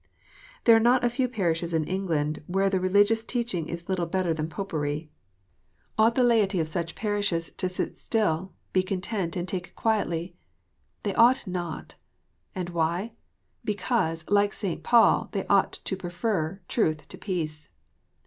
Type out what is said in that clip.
There are not a few parishes in England where the religious teaching is little better than Popery. Ought the laity of such THE FALLIBILITY OF MINISTERS. 375 parishes to sit still, be content, and take it quietly? They ought not. And why ? Because, like St. Paul, they ought to prefer truth to peace.